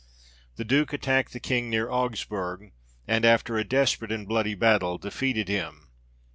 The Duke attacked the King near Augsburg ; and, after a desperate and bloody battle, defeated him.